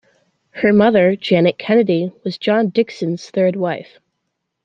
Her mother, Janet Kennedy, was John Dixon's third wife.